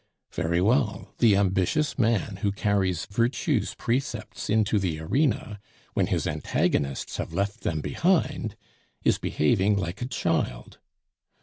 Very well; the ambitious man who carries virtue's precepts into the arena when his antagonists have left them behind is behaving like a child.